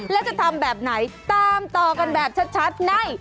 แล้วจะทำแบบไหนตามต่อกันแบบชัดใน